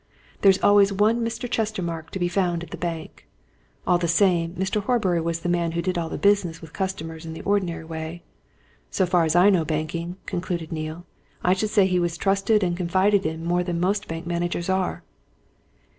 There's always one Mr. Chestermarke to be found at the bank. All the same, Mr. Horbury was the man who did all the business with customers in the ordinary way. So far as I know banking," concluded Neale, "I should say he was trusted and confided in more than most bank managers are."